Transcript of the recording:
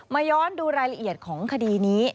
ย้อนดูรายละเอียดของคดีนี้